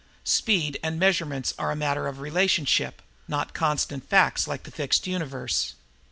Speed and measurements are a matter of relationship, not constant facts like the fixed universe.